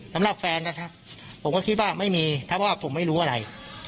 สำหรับแฟนนะครับผมก็คิดว่าไม่มีถ้าว่าผมไม่รู้อะไร